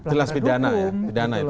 jelas pidana ya